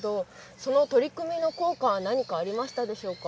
その取り組みの効果は何かありましたでしょうか。